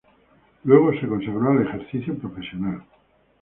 Luego se consagró al ejercicio profesional.